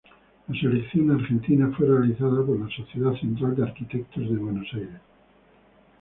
La selección argentina fue realizada por la Sociedad Central de Arquitectos de Buenos Aires.